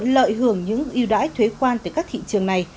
lợi hưởng những ưu đãi thuế quan từ các thị trường này